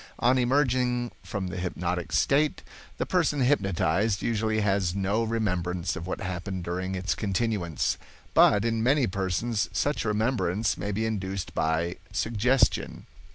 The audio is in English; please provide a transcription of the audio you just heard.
On emerging from the hypnotic state, the person hypnotized usually has no remembrance of what happened during its continuance, but in many persons such remembrance may be induced by 'suggestion'.